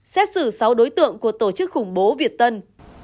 xét xử sáu đối tượng của tổ chức khủng bố việt tân